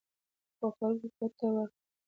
خو خلکو ګوته ورکړه.